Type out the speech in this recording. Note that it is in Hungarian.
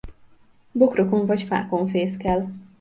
Bokrokon vagy fákon fészkel.